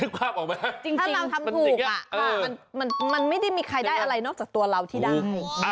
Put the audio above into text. ถ้าเราทำถูกมันไม่ได้มีใครได้อะไรนอกจากตัวเราที่ได้